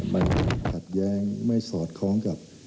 มันขัดแย้งไม่สอดคล้องกับ